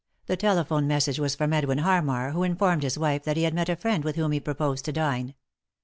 The telephone message was from Edwin Harmar, who informed his wife that he had met a friend with whom he proposed to dine.